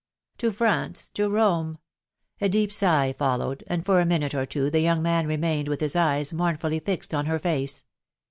" To France ! To Rome !...." A deep sigh fal lowed, and for a minute or two the young man remained with his eyes mournfully fixed on her face.